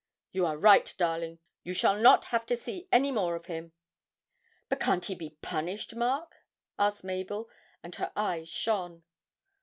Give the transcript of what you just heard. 'You are right, darling, you shall not have to see any more of him.' 'But can't he be punished, Mark?' asked Mabel, and her eyes shone.